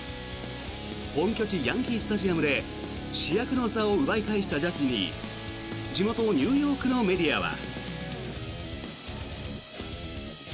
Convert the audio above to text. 本拠地ヤンキー・スタジアムで主役の座を奪い返したジャッジに地元ニューヨークのメディアは。